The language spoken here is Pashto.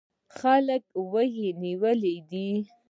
خلک لوږې نیولي دي.